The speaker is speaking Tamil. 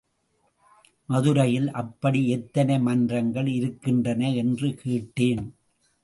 மதுரையில் அப்படி எத்தனை மன்றங்கள் இருக்கின்றன? என்று கேட்டேன்.